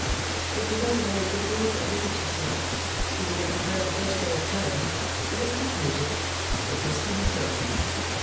It was not a very good day for a visit, he said; he would have preferred the first day of term; but it was imposing, it was imposing.